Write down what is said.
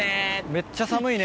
めっちゃ寒いね。